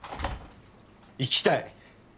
行きたい！